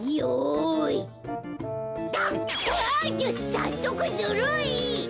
さっそくズルい。